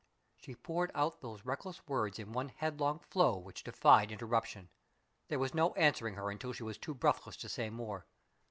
She poured out those reckless words in one headlong flow which defied interruption. There was no answering her until she was too breathless to say more.